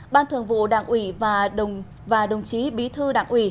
ban thường vụ đảng ủy và đồng chí bí thư đảng ủy